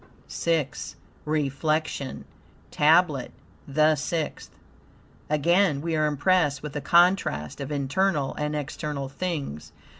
VI REFLECTION TABLET THE SIXTH Again we are impressed with the contrast of internal and external things.